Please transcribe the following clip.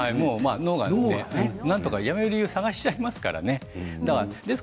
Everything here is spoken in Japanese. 脳はなんとかやめる理由を探しちゃいますからね。